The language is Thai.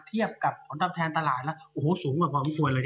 เทียบกับของตอบแทนตลาดแล้วโอ้โหสูงกว่าความควรเลยเนี่ย